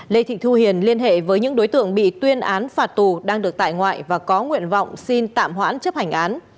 lê thị thu hiền liên hệ với những đối tượng bị tuyên án phạt tù đang được tại ngoại và có nguyện vọng xin tạm hoãn chấp hành án